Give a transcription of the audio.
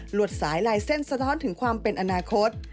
วดสายลายเส้นสะท้อนถึงความเป็นอนาคต